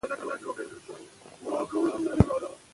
تولید ارزانه شوی دی.